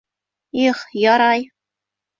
Их, ярай!